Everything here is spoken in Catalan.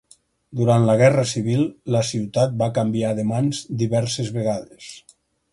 Durant la guerra civil la ciutat va canviar de mans diverses vegades.